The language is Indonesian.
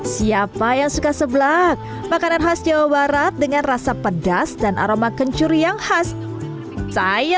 siapa yang suka seblak makanan khas jawa barat dengan rasa pedas dan aroma kencur yang khas saya